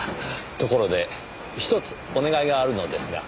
ところでひとつお願いがあるのですが。